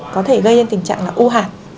có thể gây đến tình trạng là u hạt